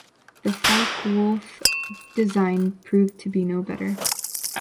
The Focke-Wulf design proved to be no better.